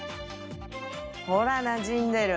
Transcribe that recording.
「ほらなじんでる」